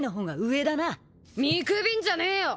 見くびんじゃねえよ。